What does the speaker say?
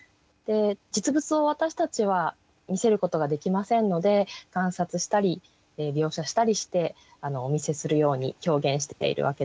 で実物を私たちは見せることができませんので観察したり描写したりしてお見せするように表現しているわけです。